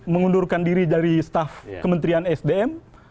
mengundurkan diri dari staf kementerian sdm